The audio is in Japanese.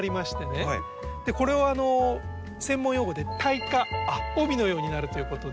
でこれを専門用語で「帯化」帯のようになるということで。